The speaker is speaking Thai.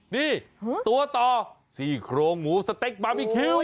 นี่ตัวต่อซี่โครงหมูสเต็กบาร์บีคิว